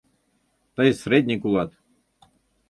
Тый средник улат.